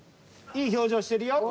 いい表情してるよ。